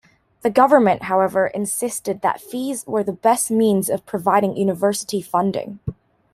The government, however, insisted that fees were the best means of providing university funding.